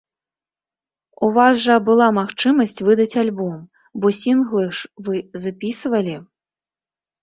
У вас жа была магчымасць выдаць альбом, бо сінглы ж вы запісвалі.